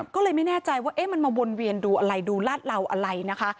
ก็เลยไม่แน่ใจว่ามันมาวนเวียนดูอะไรดูลาดเหลาอะไรนะคะ